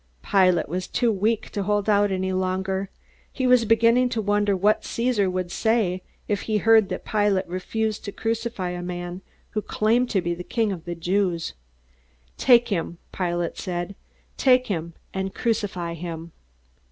Pilate was too weak to hold out any longer. He was beginning to wonder what Caesar would say if he heard that Pilate refused to crucify a man who claimed to be king of the Jews. "Take him," Pilate said. "Take him, and crucify him."